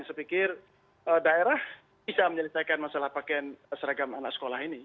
saya pikir daerah bisa menyelesaikan masalah pakaian seragam anak sekolah ini